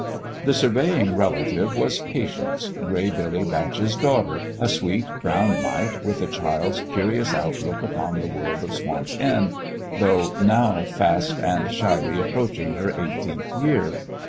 The surviving relative was Patience, Gray Billy Batch's daughter, a sweet, brown mite, with a child's curious outlook upon the world of Swamp's End, though now fast and shyly ap proaching her eighteenth year.